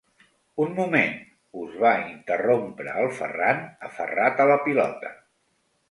Un moment! –us va interrompre el Ferran, aferrat a la pilota–.